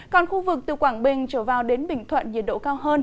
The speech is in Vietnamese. còn khu vực từ quảng bình trở vào đến bình thuận nhiệt độ cao hơn